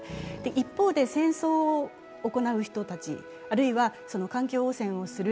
一方で戦争を行う人たち、あるいは環境汚染をする、